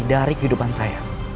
dari kehidupan saya